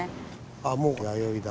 あっもう弥生だ。